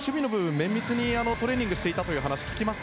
綿密にトレーニングをしていたと聞きました。